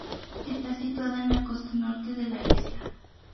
Está situada en la costa norte de la isla.